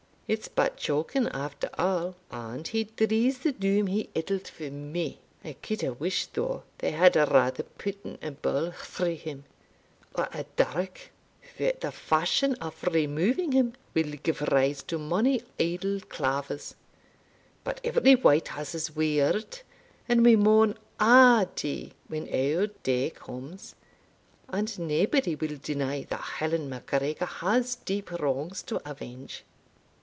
it's but choking after a', and he drees the doom he ettled for me. I could have wished, though, they had rather putten a ball through him, or a dirk; for the fashion of removing him will give rise to mony idle clavers But every wight has his weird, and we maun a' dee when our day comes And naebody will deny that Helen MacGregor has deep wrongs to avenge."